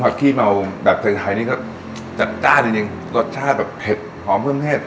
ขี้เมาแบบไทยไทยนี่ก็จัดจ้านจริงจริงรสชาติแบบเผ็ดหอมเครื่องเทศ